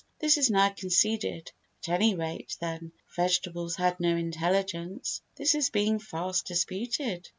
This is now conceded. At any rate, then, vegetables had no intelligence. This is being fast disputed.